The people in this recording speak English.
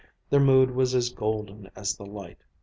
Their mood was as golden as the light.